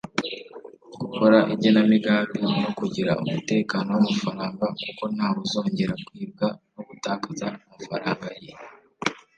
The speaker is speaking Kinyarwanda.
gukora igenamigambi no kugira umutekano w’amafaranga kuko ntawe uzongera kwibwa no gutakaza amafaranga ye”